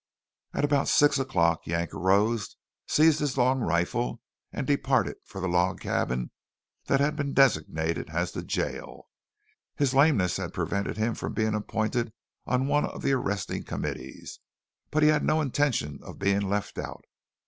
About six o'clock Yank arose, seized his long rifle and departed for the log cabin that had been designated as the jail. His lameness had prevented him from being appointed on one of the arresting committees, but he had no intention of being left out.